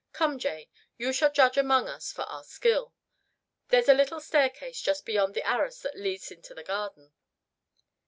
Come, Jane, you shall judge among us for our skill. There's a little staircase just beyond the arras that leads into the garden."